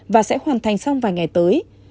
và sẽ hoàn thành sau vài ngày tới